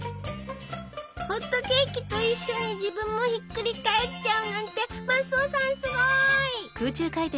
ホットケーキと一緒に自分もひっくり返っちゃうなんてマスオさんすごい！